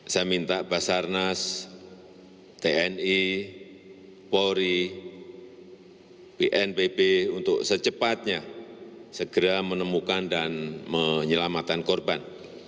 saya minta basarnas tni polri bnpb untuk secepatnya segera menemukan dan menyelamatkan korban